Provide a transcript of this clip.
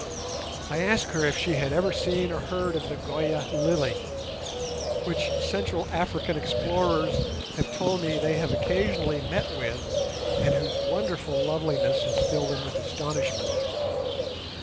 I asked her if she had ever seen or heard of the "Goya" lily, which Central African explorers have told me they have occasionally met with and whose wonderful loveliness has filled them with astonishment.